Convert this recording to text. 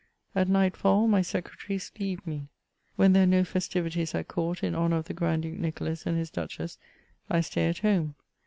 At night fall, my secretaries leave me. When there are no festivities at Court, in honour of the Grand Duke Nicholas and his Duchess,* I stay at home.